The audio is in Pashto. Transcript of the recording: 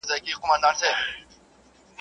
خدایه ته مل سې د ناروغانو.